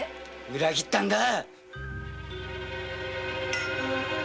裏切ったんだ。